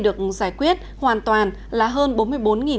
được giải quyết hoàn toàn là hơn